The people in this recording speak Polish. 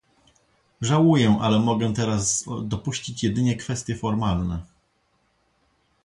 Żałuję, ale mogę teraz dopuścić jedynie kwestie formalne